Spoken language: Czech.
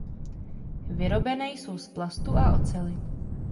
Vyrobené jsou z plastu a oceli.